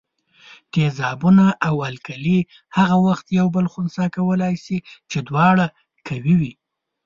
تیزابونه او القلي هغه وخت یو بل خنثي کولای شي چې دواړه قوي وي.